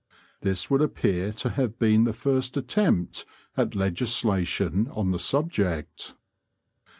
This would appear to have been the first attempt at legislation on the subject.